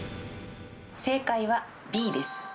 正解は、Ｂです。